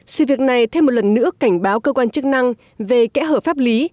sự việc này thêm một lần nữa cảnh báo cơ quan chức năng về kẽ hở pháp lý